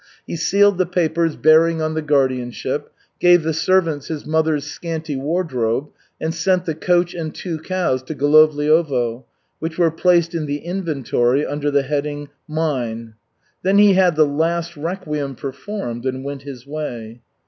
He sealed the papers bearing on the guardianship, gave the servants his mother's scanty wardrobe, and sent the coach and two cows to Golovliovo, which were placed in the inventory under the heading "mine." Then he had the last requiem performed and went his way.